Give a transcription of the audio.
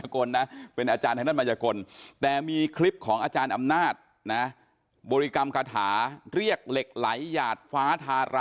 เขาจะแบบโรนแล้วก็เรียบออกมา